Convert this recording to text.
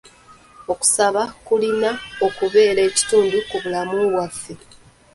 Okusaba kulina okubeera ekitundu ku bulamu bwaffe.